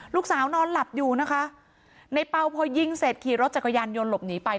นอนหลับอยู่นะคะในเปล่าพอยิงเสร็จขี่รถจักรยานยนต์หลบหนีไป